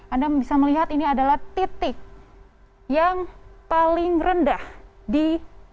anda bisa melihat ini adalah titik yang paling rendah di indonesia